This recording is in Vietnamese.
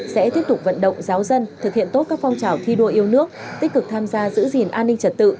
sẽ tiếp tục vận động giáo dân thực hiện tốt các phong trào thi đua yêu nước tích cực tham gia giữ gìn an ninh trật tự